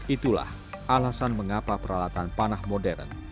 itulah alasan mengapa peralatan panah modern